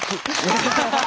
ハハハハハ。